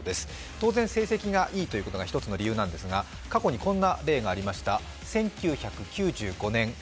当然、成績がいいということが１つの理由ですが過去にこんな例がありました。